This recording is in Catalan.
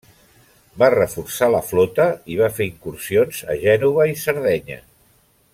Va reforçar la flota i va fer incursions a Gènova i Sardenya.